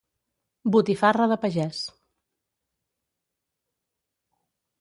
botifarra de pagès